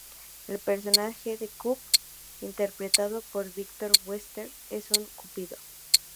El personaje de Coop, interpretado por Victor Webster, es un cupido.